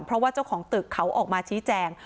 เพราะว่าเจ้าของตึกเขาออกมาชี้แจง